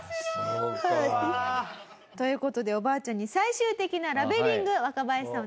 そうか。という事でおばあちゃんに最終的なラベリング若林さん